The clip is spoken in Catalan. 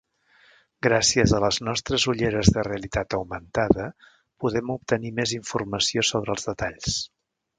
Gràcies a les nostres ulleres de realitat augmentada, podem obtenir més informació sobre els detalls.